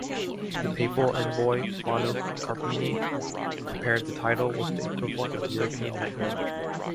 The Papal envoy Plano Carpini compared the title with the equivalent of European Knighthood.